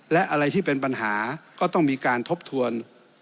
และอะไรที่เป็นปัญหาก็ต้องมีการทบทวน